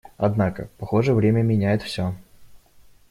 Однако, похоже, время меняет все.